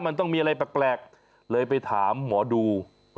มันต้องมีอะไรแปลกเลยไปถามหมอดู